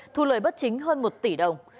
thu lợi bất chính hơn một tỷ đồng